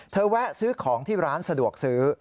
แวะซื้อของที่ร้านสะดวกซื้อ